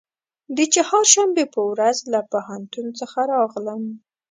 د چهارشنبې په ورځ له پوهنتون څخه راغلم.